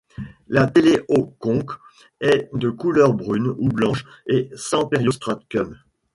La téléoconque est de couleur brune ou blanche et sans periostracum.